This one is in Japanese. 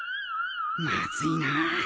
まずいな。